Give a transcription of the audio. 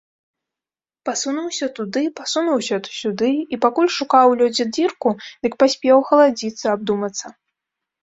Пасунуўся туды, пасунуўся сюды, і пакуль шукаў у лёдзе дзірку, дык паспеў ахаладзіцца, абдумацца.